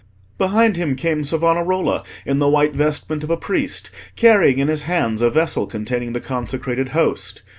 Behind him came Savonarola in the white vestment of a priest, carrying in his hands a vessel containing the consecrated Host.